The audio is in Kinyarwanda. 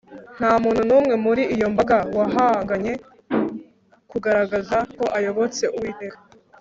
Nta muntu numwe muri iyo mbaga wahangaye kugaragaza ko ayobotse Uwiteka